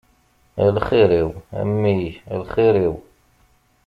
A lxir-iw, a mmi a lxir-iw.